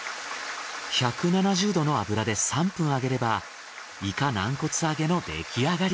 １７０℃の油で３分揚げればイカ軟骨揚げの出来上がり。